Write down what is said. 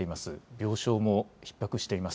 病床もひっ迫しています。